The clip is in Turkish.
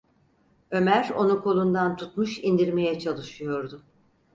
Ömer onu kolundan tutmuş indirmeye çalışıyordu.